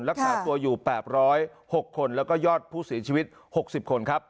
รักษาตัวอยู่๘๐๖คนแล้วก็ยอดผู้เสียชีวิต๖๐คนครับ